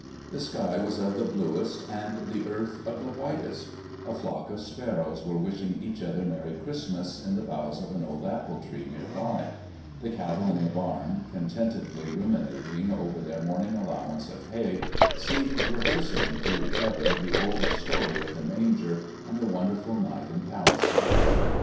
The sky was of the bluest and the earth of the whitest; a flock of sparrows were wishing each other Merry Christmas in the boughs of an old appletree near by; the cattle in the barn, contentedly ruminating over their morning allowance of hay, seemed rehearsing to each other the old story of the manger and the wonderful night in Palestine.